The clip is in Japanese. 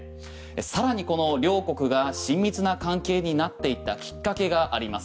さらにこの両国が親密な関係になっていったきっかけがあります。